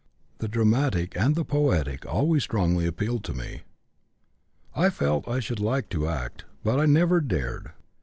The dramatic and the poetic always strongly appealed to me. "I felt I should like to act; but I never dared.